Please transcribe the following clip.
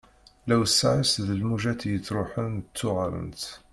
Lewseɛ-is d lmujat i ittruḥun ttuɣalent.